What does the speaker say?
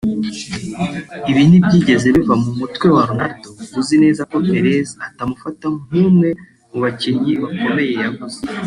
Ibi ntibyigeze biva mu mutwe wa Ronaldo uzi neza ko Perez atamufata nk’umwe mu bakinnyi bakomeye yaguze